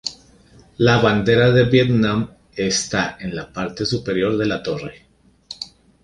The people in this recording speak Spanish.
La bandera de Vietnam está en la parte superior de la torre.